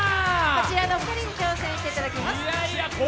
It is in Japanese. こちらの２人に挑戦していただきます。